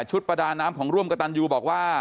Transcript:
ประดาน้ำของร่วมกระตันยูบอกว่า